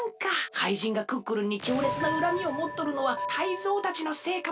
かいじんがクックルンにきょうれつなうらみをもっとるのはタイゾウたちのせいかもしれんのやで。